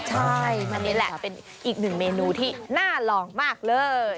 ใช่มันนี่แหละเป็นอีกหนึ่งเมนูที่น่าลองมากเลย